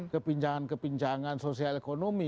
kepinjangan kepinjangan sosial ekonomi